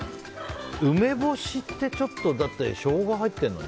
梅干しって、ちょっとショウガが入ってるのに？